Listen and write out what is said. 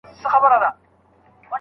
د استاد ملاتړ له یوازي کار ښه وي.